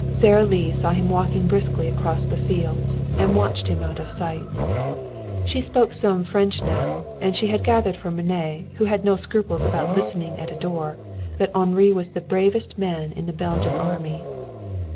Sara Lee saw him walking briskly across the fields and watched him out of sight. She spoke some French now, and she had gathered from René, who had no scruples about listening at a door, that Henri was the bravest man in the Belgian Army.